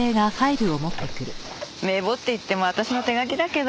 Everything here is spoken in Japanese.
名簿っていっても私の手書きだけど。